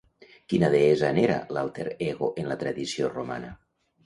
Quina deessa n'era l'alter ego en la tradició romana?